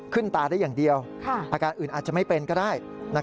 ตาได้อย่างเดียวอาการอื่นอาจจะไม่เป็นก็ได้